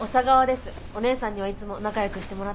お姉さんにはいつも仲よくしてもらってます。